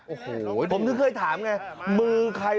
โอ้โฮผมที่เคยถามไง